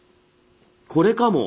これかも。